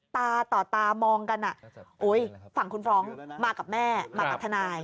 ตาต่อตามองกันฝั่งคุณฟรองก์มากับแม่มากับทนาย